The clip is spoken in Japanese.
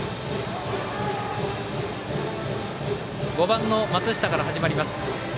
５番の松下から始まります。